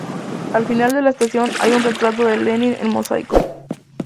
Al final de la estación hay un retrato de Lenin en mosaico.